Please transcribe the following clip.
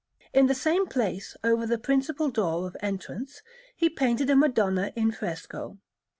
In the same place, over the principal door of entrance, he painted a Madonna in fresco.